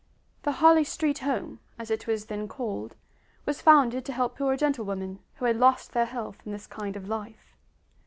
The Harley Street Home, as it was then called, was founded to help poor gentlewomen who had lost their health in this kind of life.